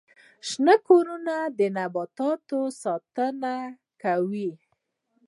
شنه کورونه د نباتاتو ساتنه کوي